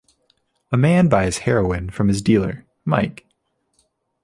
A man buys heroin from his dealer, Mike.